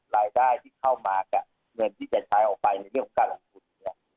รายได้ที่เข้ามากับเงินที่จะใช้ออกไปในเรื่องของการลงทุนเนี่ย